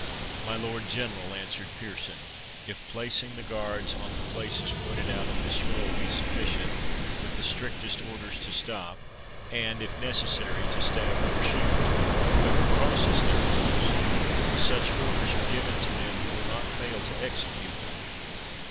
"My Lord General," answered Pearson, "if placing the guards on the places pointed out in this scroll be sufficient, with the strictest orders to stop, and, if necessary, to stab or shoot, whoever crosses their post, such orders are given to men who will not fail to execute them.